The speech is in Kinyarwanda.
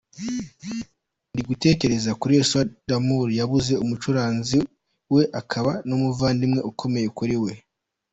Ndigutekereza kuri Youssou N'dour, yabuze umucuranzi we akaba n’umuvandimwe ukomeye kuri we.